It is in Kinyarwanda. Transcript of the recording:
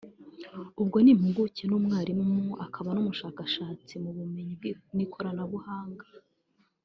ubwo impuguke n’umwarimu akaba n’umushakashatsi mu by’ubumenyi n’ikoranabuhanga